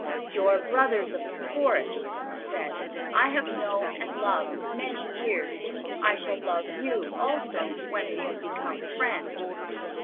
"Your brothers of the Forest," he said, "I have known and loved many years. I shall love you, also, when we have become friends.